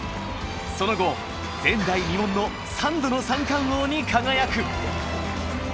その後前代未聞の３度の三冠王に輝く。